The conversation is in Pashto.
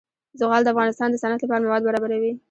زغال د افغانستان د صنعت لپاره مواد برابروي.